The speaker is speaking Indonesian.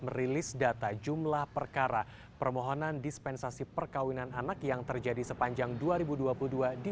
merilis data jumlah perkara permohonan dispensasi perkawinan anak yang terjadi sepanjang dua ribu dua puluh dua di